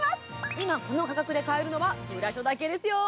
今、この価格で買えるのは「ブラショ」だけですよ。